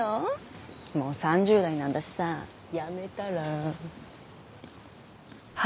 もう３０代なんだしさやめたら？